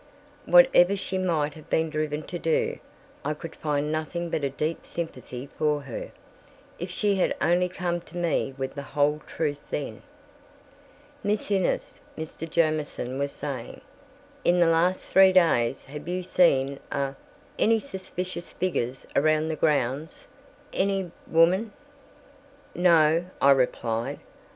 Whatever she might have been driven to do, I could find nothing but a deep sympathy for her. If she had only come to me with the whole truth then! "Miss Innes," Mr. Jamieson was saying, "in the last three days, have you seen a—any suspicious figures around the grounds? Any—woman?" "No," I replied.